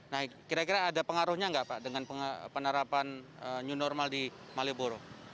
nah kira kira ada pengaruhnya nggak pak dengan penerapan new normal di malioboro